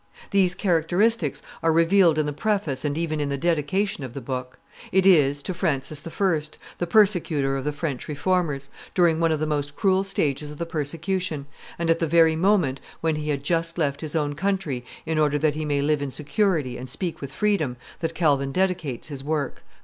These characteristics are revealed in the preface and even in the dedication of the book. It is to Francis I., the persecutor of the French Reformers, during one of the most cruel stages of the persecution, and at the very moment when he had just left his own country in order that he may live in security and speak with freedom, that Calvin dedicates his work.